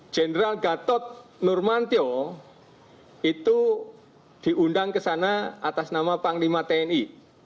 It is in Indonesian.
jenderal gatot nurmantio itu diundang ke sana atas nama panglima tni